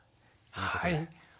はい。